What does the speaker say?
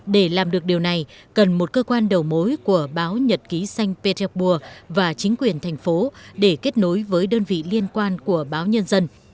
để làm được điều này cần một cơ quan đầu mối của báo nhật ký sanh bí tích pua và chính quyền thành phố để kết nối với đơn vị liên quan của báo nhân dân